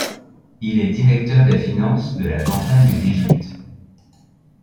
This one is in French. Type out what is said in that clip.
Il est directeur des finances de la Campagne d'Égypte.